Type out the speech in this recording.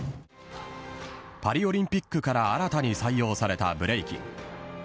パリオリンピックから新たに採用されたブレイキン。